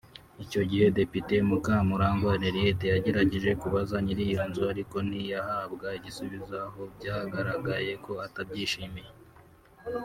Icyo gihe Depite Mukamurangwa Henriette yagerageje kubaza nyir’iyo nzu ariko ntiyahabwa igisubizo aho byagaragaye ko atabyishimiye